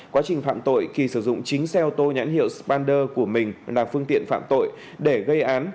quá trình phạm tội kỳ sử dụng chính xe ô tô nhãn hiệu spander của mình là phương tiện phạm tội để gây án